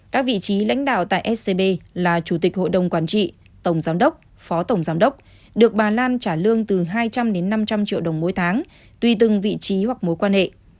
các vị trí lãnh đạo tại scb là chủ tịch hội đồng quản trị tổng giám đốc phó tổng giám đốc được bà lan trả lương từ hai trăm linh đến năm trăm linh triệu đồng mỗi tháng tùy từng vị trí hoặc mối quan hệ